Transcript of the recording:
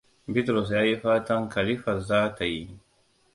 Bitrus ya yi fatan Khalifat za ta yi.